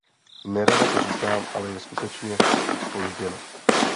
Nerada to říkám, ale je skutečně zpožděno.